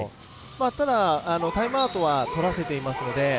ただ、タイムアウトはとらせていますので。